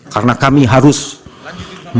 karena kami harus menaruh pekerjaan érb